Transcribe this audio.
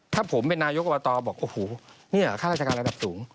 ถ้าผมเป็นนายกอบตบอกโอ้โหเนี่ยข้าราชการระดับสูง